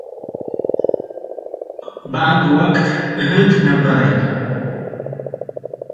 በአንድ ወቅት እህት ነበረኝ።